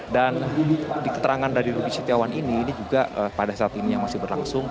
dan di keterangan dari rubi sitiawan ini juga pada saat ini yang masih berlangsung